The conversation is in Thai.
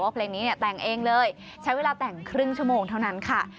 เพลงนี้เนี่ยแต่งเองเลยใช้เวลาแต่งครึ่งชั่วโมงเท่านั้นค่ะ